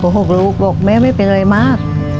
ลูกบอกแม่ไม่เป็นอะไรมาก